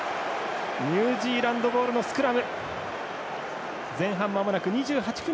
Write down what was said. ニュージーランドボールのスクラム。